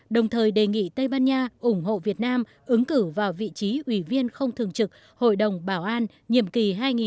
đồng thời đề nghị tây ban nha ủng hộ việt nam ứng cử vào vị trí ủy viên không thường trực hội đồng bảo an nhiệm kỳ hai nghìn hai mươi hai nghìn hai mươi một